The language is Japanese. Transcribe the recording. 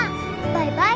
バイバイ。